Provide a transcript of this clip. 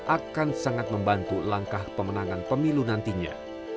akan sangat membantu langkah pemenangan pemilu nantinya